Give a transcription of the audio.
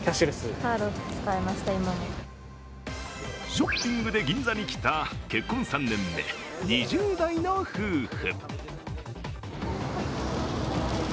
ショッピングで銀座に来た結婚３年目、２０代の夫婦。